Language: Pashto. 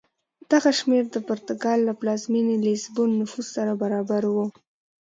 دغه شمېر د پرتګال له پلازمېنې لېزبون نفوس سره برابر و.